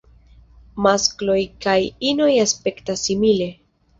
Maskloj kaj inoj aspektas simile.